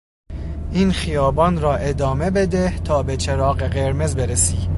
این خیابان را ادامه بده تا به چراغ قرمز برسی.